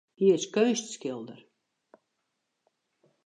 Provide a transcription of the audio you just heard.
Hy is keunstskilder.